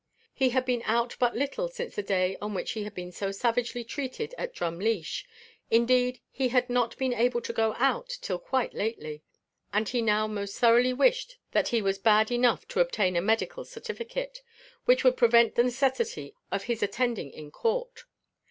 He had been out but little since the day on which he had been so savagely treated at Drumleesh indeed he had not been able to go out till quite lately; and he now most thoroughly wished that he was bad enough to obtain a medical certificate, which would prevent the necessity of his attending in court.